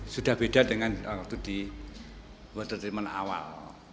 sudah beda dengan waktu di water treatment awal